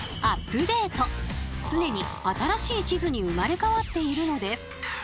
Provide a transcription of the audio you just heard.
常に新しい地図に生まれ変わっているのです。